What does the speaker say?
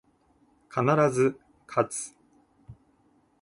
必ず、かつ